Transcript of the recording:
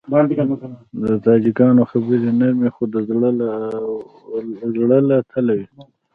د تاجکانو خبرې نرمې خو د زړه له تله وي.